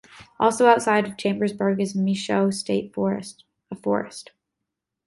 Also outside of Chambersburg is Michaux State Forest, a forest.